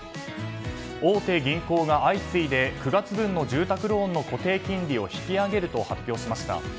大手銀行が相次いで９月分の住宅ローンの固定金利を引き上げると発表しました。